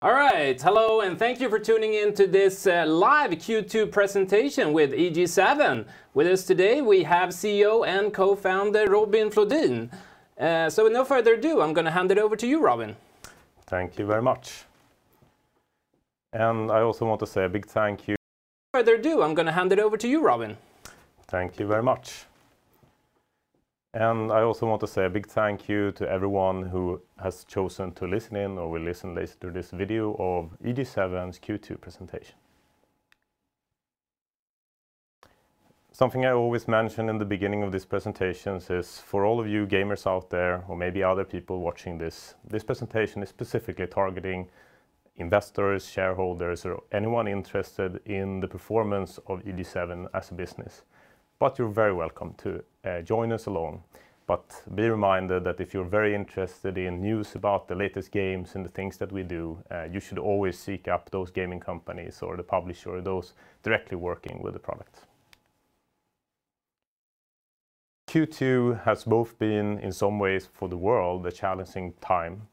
All right. Hello, and thank you for tuning in to this live Q2 presentation with EG7. With us today, we have CEO and co-founder Robin Flodin. With no further ado, I'm going to hand it over to you, Robin. Thank you very much. I also want to say a big thank you. Further ado, I'm going to hand it over to you, Robin. Thank you very much. I also want to say a big thank you to everyone who has chosen to listen in or will listen to this video of EG7's Q2 presentation. Something I always mention in the beginning of these presentations is for all of you gamers out there, or maybe other people watching this presentation is specifically targeting investors, shareholders, or anyone interested in the performance of EG7 as a business. You're very welcome to join us along. Be reminded that if you're very interested in news about the latest games and the things that we do, you should always seek out those gaming companies or the publisher or those directly working with the product. Q2 has both been, in some ways for the world, a challenging time,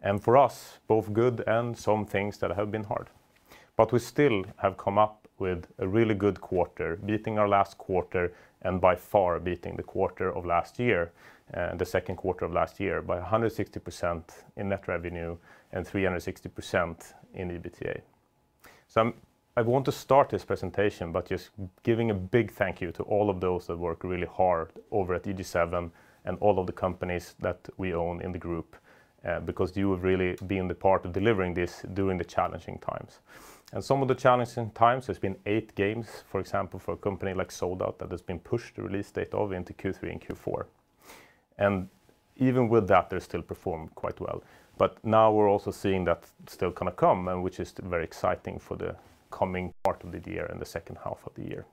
and for us, both good and some things that have been hard. We still have come up with a really good quarter, beating our last quarter and by far beating the quarter of last year, the second quarter of last year, by 160% in net revenue and 360% in EBITDA. I want to start this presentation by just giving a big thank you to all of those that work really hard over at EG7 and all of the companies that we own in the group, because you have really been the part of delivering this during the challenging times. Some of the challenging times has been eight games, for example, for a company like Sold Out that has been pushed the release date of into Q3 and Q4. Even with that, they still performed quite well. Now we're also seeing that still going to come, and which is very exciting for the coming part of the year and the second half of the year.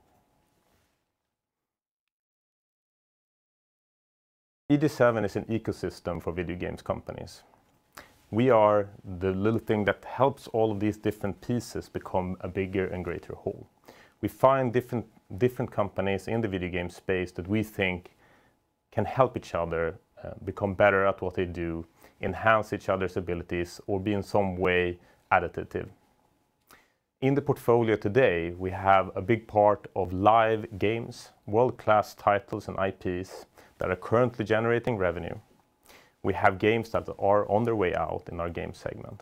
EG7 is an ecosystem for video games companies. We are the little thing that helps all of these different pieces become a bigger and greater whole. We find different companies in the video game space that we think can help each other become better at what they do, enhance each other's abilities, or be in some way additive. In the portfolio today, we have a big part of live games, world-class titles and IPs that are currently generating revenue. We have games that are on their way out in our game segment.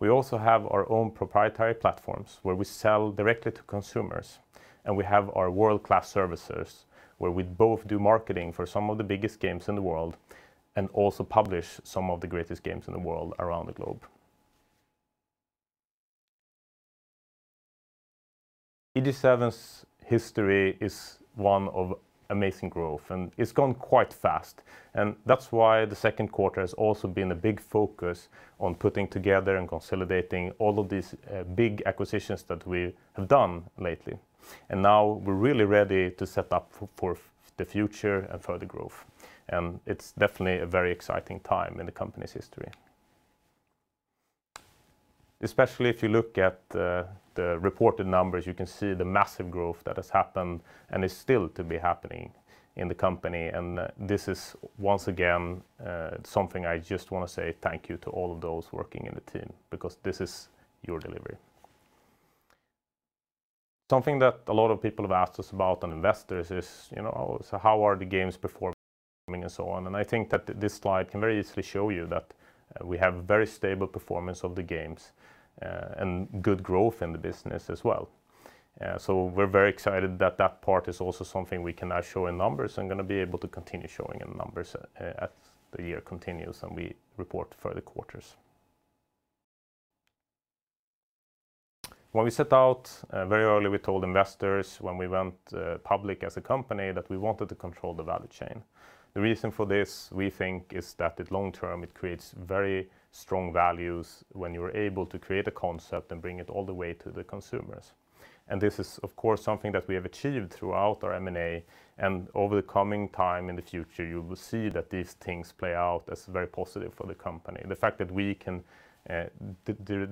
We also have our own proprietary platforms where we sell directly to consumers, and we have our world-class services, where we both do marketing for some of the biggest games in the world and also publish some of the greatest games in the world around the globe. EG7's history is one of amazing growth. It's gone quite fast. That's why the Q2 has also been a big focus on putting together and consolidating all of these big acquisitions that we have done lately. Now we're really ready to set up for the future and further growth. It's definitely a very exciting time in the company's history. Especially if you look at the reported numbers, you can see the massive growth that has happened and is still to be happening in the company. This is, once again, something I just want to say thank you to all of those working in the team because this is your delivery. Something that a lot of people have asked us about, and investors, is, so how are the games performing and so on? I think that this slide can very easily show you that we have very stable performance of the games and good growth in the business as well. We're very excited that that part is also something we can now show in numbers and going to be able to continue showing in numbers as the year continues and we report further quarters. When we set out very early, we told investors when we went public as a company that we wanted to control the value chain. The reason for this, we think, is that at long-term, it creates very strong values when you're able to create a concept and bring it all the way to the consumers. This is, of course, something that we have achieved throughout our M&A, and over the coming time in the future, you will see that these things play out as very positive for the company. The fact that we can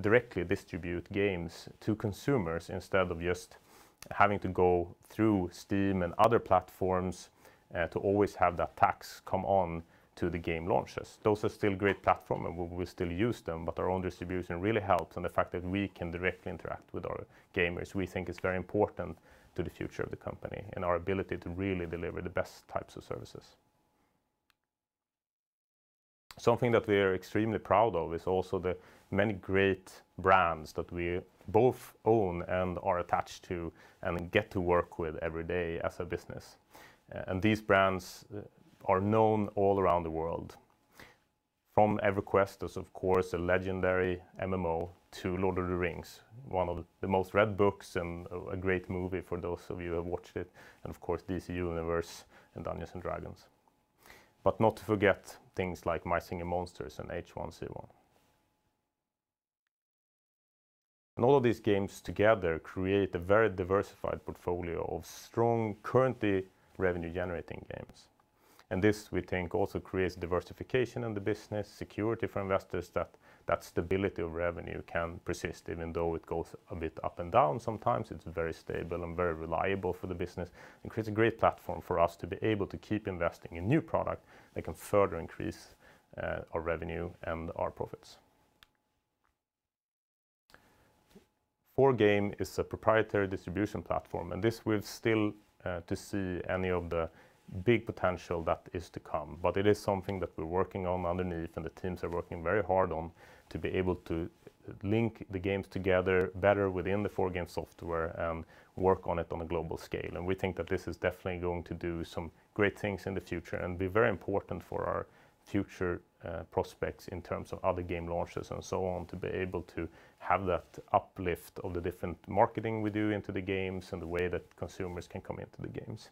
directly distribute games to consumers instead of just having to go through Steam and other platforms to always have that tax come on to the game launches. Those are still great platform and we still use them, but our own distribution really helps, and the fact that we can directly interact with our gamers, we think is very important to the future of the company and our ability to really deliver the best types of services. Something that we are extremely proud of is also the many great brands that we both own and are attached to and get to work with every day as a business. These brands are known all around the world. From EverQuest as, of course, a legendary MMO to Lord of the Rings, one of the most read books and a great movie for those of you who have watched it, and of course, DC Universe and Dungeons & Dragons. Not to forget things like My Singing Monsters and H1Z1. All of these games together create a very diversified portfolio of strong currently revenue-generating games. This, we think, also creates diversification in the business, security for investors that stability of revenue can persist even though it goes a bit up and down sometimes. It's very stable and very reliable for the business and creates a great platform for us to be able to keep investing in new product that can further increase our revenue and our profits. 4Game is a proprietary distribution platform. This we've still to see any of the big potential that is to come. It is something that we're working on underneath, and the teams are working very hard on, to be able to link the games together better within the 4Game software and work on it on a global scale. We think that this is definitely going to do some great things in the future and be very important for our future prospects in terms of other game launches and so on, to be able to have that uplift of the different marketing we do into the games and the way that consumers can come into the games.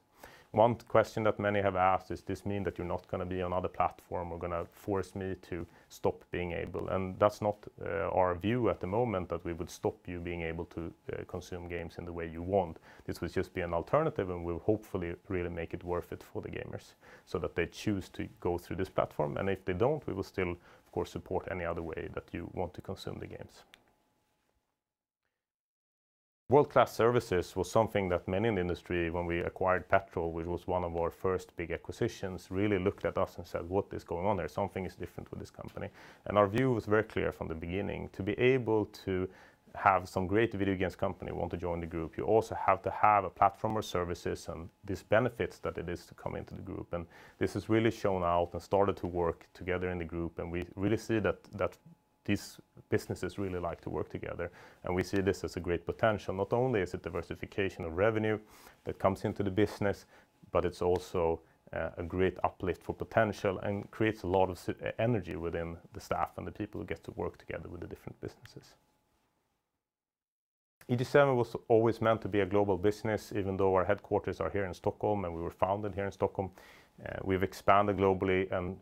One question that many have asked is, "Does this mean that you're not going to be on other platform or going to force me to stop being able?" That's not our view at the moment, that we would stop you being able to consume games in the way you want. This would just be an alternative, and will hopefully really make it worth it for the gamers, so that they choose to go through this platform. If they don't, we will still, of course, support any other way that you want to consume the games. World-class services was something that many in the industry, when we acquired Petrol, which was one of our first big acquisitions, really looked at us and said, "What is going on there. Something is different with this company." Our view was very clear from the beginning. To be able to have some great video games company want to join the group, you also have to have a platform or services and there's benefits that it is to come into the group. This has really shown out and started to work together in the group, and we really see that these businesses really like to work together, and we see this as a great potential. Not only is it diversification of revenue that comes into the business, but it's also a great uplift for potential and creates a lot of energy within the staff and the people who get to work together with the different businesses. EG7 was always meant to be a global business, even though our headquarters are here in Stockholm, and we were founded here in Stockholm. We've expanded globally, and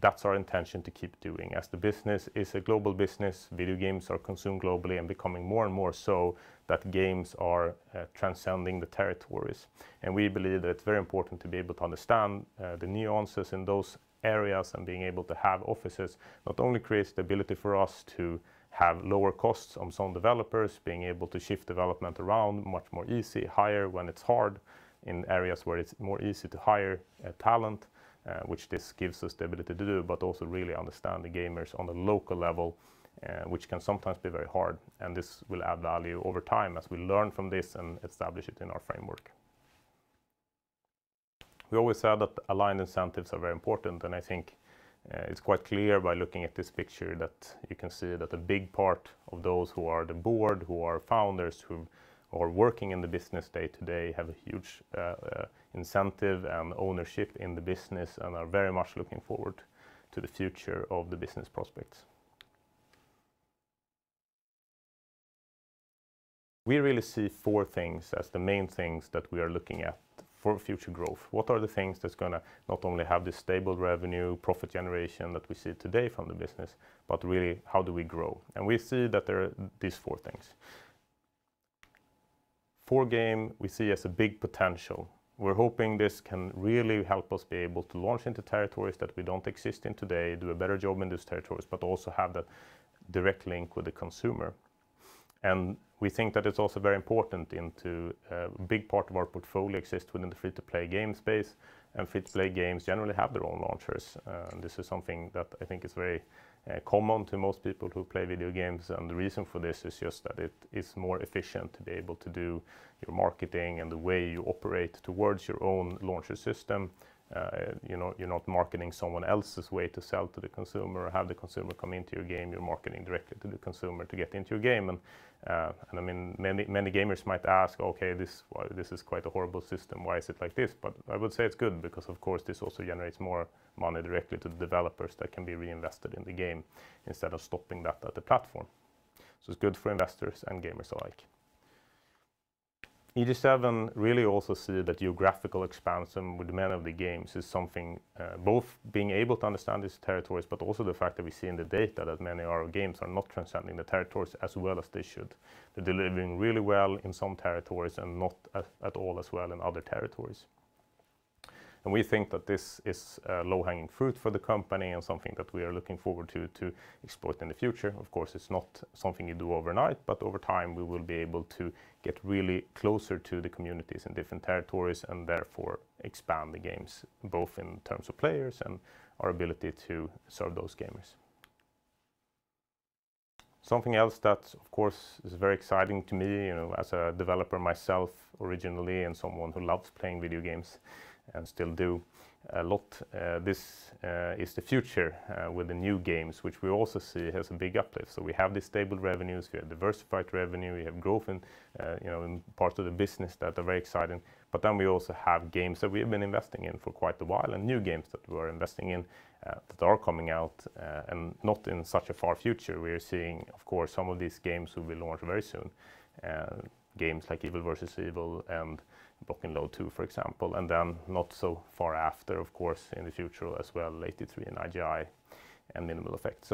that's our intention to keep doing. As the business is a global business, video games are consumed globally and becoming more and more so, that games are transcending the territories. We believe that it's very important to be able to understand the nuances in those areas and being able to have offices not only creates the ability for us to have lower costs on some developers, being able to shift development around much more easy, hire when it's hard in areas where it's more easy to hire talent, which this gives us the ability to do, but also really understand the gamers on the local level, which can sometimes be very hard. This will add value over time as we learn from this and establish it in our framework. We always said that aligned incentives are very important, and I think it's quite clear by looking at this picture that you can see that a big part of those who are the board, who are founders, who are working in the business day-to-day, have a huge incentive and ownership in the business and are very much looking forward to the future of the business prospects. We really see four things as the main things that we are looking at for future growth. What are the things that's going to not only have this stable revenue, profit generation that we see today from the business, but really how do we grow? We see that there are these four things. 4Game, we see as a big potential. We're hoping this can really help us be able to launch into territories that we don't exist in today, do a better job in those territories, also have that direct link with the consumer. We think that it's also very important into a big part of our portfolio exists within the free-to-play game space, free-to-play games generally have their own launchers. This is something that I think is very common to most people who play video games. The reason for this is just that it is more efficient to be able to do your marketing and the way you operate towards your own launcher system. You're not marketing someone else's way to sell to the consumer or have the consumer come into your game. You're marketing directly to the consumer to get into a game. Many gamers might ask, "Okay, this is quite a horrible system. Why is it like this?" I would say it's good because, of course, this also generates more money directly to the developers that can be reinvested in the game instead of stopping that at the platform. It's good for investors and gamers alike. EG7 really also see that geographical expansion with many of the games is something both being able to understand these territories, but also the fact that we see in the data that many of our games are not transcending the territories as well as they should. They're delivering really well in some territories and not at all as well in other territories. We think that this is low-hanging fruit for the company and something that we are looking forward to exploit in the future. It's not something you do overnight, but over time, we will be able to get really closer to the communities in different territories and therefore expand the games both in terms of players and our ability to serve those gamers. Something else that, of course, is very exciting to me, as a developer myself originally and someone who loves playing video games and still do a lot. This is the future with the new games, which we also see has a big uplift. We have these stable revenues, we have diversified revenue, we have growth in parts of the business that are very exciting. We also have games that we have been investing in for quite a while, and new games that we're investing in that are coming out, and not in such a far future. We're seeing, of course, some of these games will be launched very soon. Games like EvilvEvil and Block N Load 2, for example, and then not so far after, of course, in the future as well, '83 and I.G.I. and Minimal Affect.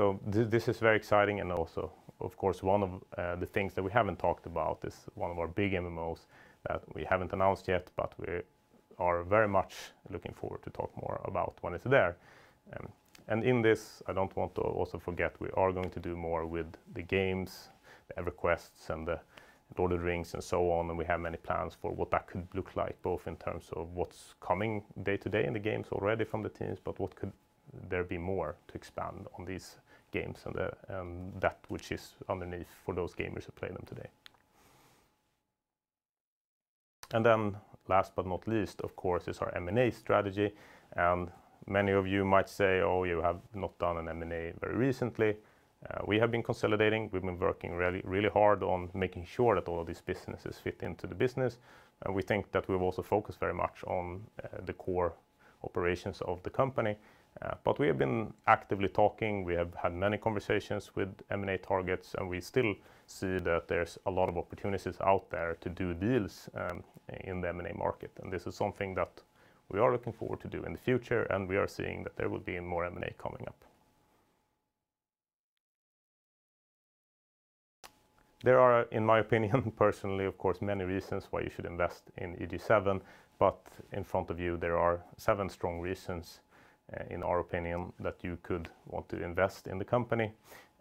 This is very exciting and also, of course, one of the things that we haven't talked about is one of our big MMOs that we haven't announced yet, but we are very much looking forward to talk more about when it's there. In this, I don't want to also forget we are going to do more with the games, EverQuest and The Lord of the Rings and so on, and we have many plans for what that could look like, both in terms of what's coming day-to-day in the games already from the teams, but what could there be more to expand on these games and that which is underneath for those gamers who play them today. Last but not least, of course, is our M&A strategy. Many of you might say, "Oh, you have not done an M&A very recently." We have been consolidating. We've been working really hard on making sure that all of these businesses fit into the business. We think that we've also focused very much on the core operations of the company. We have been actively talking. We have had many conversations with M&A targets. We still see that there's a lot of opportunities out there to do deals in the M&A market. This is something that we are looking forward to do in the future. We are seeing that there will be more M&A coming up. There are, in my opinion personally, of course, many reasons why you should invest in EG7. In front of you, there are seven strong reasons, in our opinion, that you could want to invest in the company.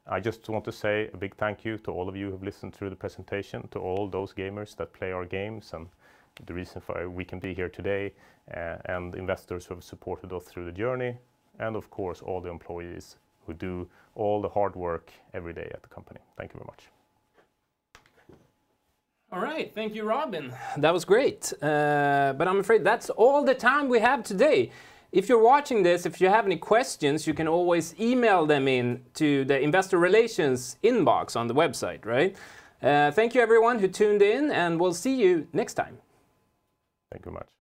I just want to say a big thank you to all of you who've listened through the presentation, to all those gamers that play our games and the reason for we can be here today, and investors who have supported us through the journey, and of course, all the employees who do all the hard work every day at the company. Thank you very much. All right. Thank you, Robin. That was great. I'm afraid that's all the time we have today. If you're watching this, if you have any questions, you can always email them in to the investor relations inbox on the website, right? Thank you everyone who tuned in, and we'll see you next time. Thank you much.